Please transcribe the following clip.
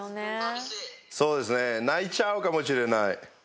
そうですね泣いちゃうかもしれない。